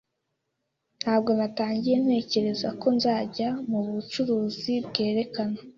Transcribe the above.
Ntabwo natangiye ntekereza ko nzajya mubucuruzi bwerekana.